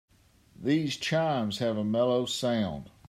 These chimes have a mellow sound.